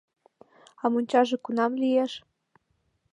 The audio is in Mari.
— А мончаже кунам лиеш?